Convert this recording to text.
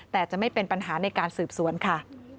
แต่จะไม่เป็นปัญหาในการสืบสวนค่ะ